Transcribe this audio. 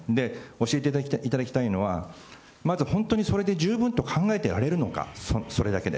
教えていただきたいのは、まず本当にそれで十分と考えてられるのか、それだけで。